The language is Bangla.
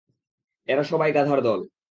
এরা সবাই গাধার দল!